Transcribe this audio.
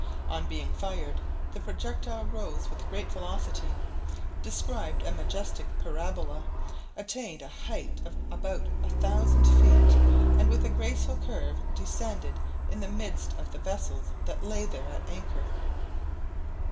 On being fired, the projectile rose with great velocity, described a majestic parabola, attained a height of about a thousand feet, and with a graceful curve descended in the midst of the vessels that lay there at anchor.